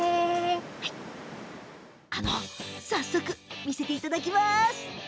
早速、見せていただきます！